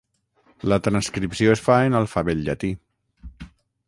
La transcripció es fa en alfabet llatí.